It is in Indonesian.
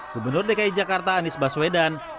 gubernur dki jakarta anies baswedan